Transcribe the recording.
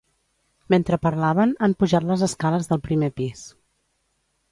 Mentre parlaven han pujat les escales del primer pis.